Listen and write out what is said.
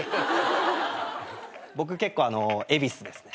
僕結構恵比寿ですね。